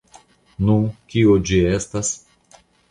Nu, kio ĝi estas?